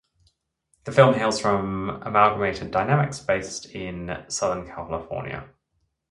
The film hails from Amalgamated Dynamics based in Southern California.